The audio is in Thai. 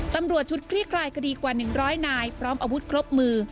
ตำรวจชุดคลี่คลายคดีกว่า๑๐๐นายพร้อมอาวุธครบมือ